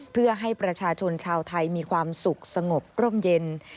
เพื่อให้ประชาชนชาวไทยมีความสุขสงบร่มเย็น